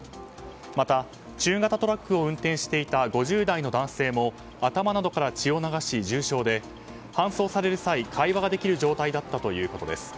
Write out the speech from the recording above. また中型トラックを運転していた５０代の男性も頭などから血を流し重傷で搬送される際、会話ができる状態だったということです。